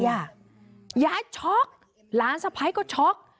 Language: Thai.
ยายช็อกหลานสะพ้ายก็ช็อก